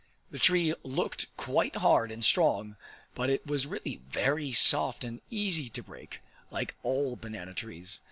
The tree looked quite hard and strong, but it was really very soft and easy to break, like all banana trees.